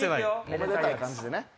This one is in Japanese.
おめでたい感じでね。